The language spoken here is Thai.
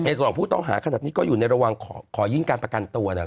เอสหรับผู้ต้องหาขนาดนี้ก็อยู่ในระวังขอยิ่งการประกันตัวนี่แหละครับ